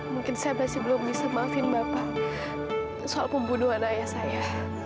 mungkin saya masih belum bisa maafin bapak soal pembunuhan ayah saya